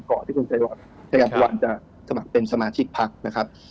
ก่อนที่คุณชายภาควันจะสมัครเป็นสมาชิกพลักษณ์